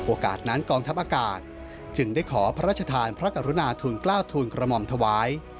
นั้นกองทัพอากาศจึงได้ขอพระราชทานพระกรุณาทุนกล้าวทูลกระหม่อมถวาย